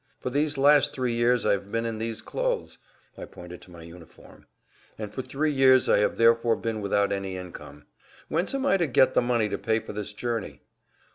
"For these last three years I have been in these clothes" (I pointed to my uniform), "and for three years I have therefore been without any income. Whence am I to get the money to pay for this journey?"